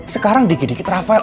sekarang dikit dikit rafael